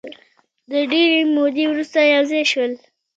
د ډېرې مودې وروسته یو ځای شول.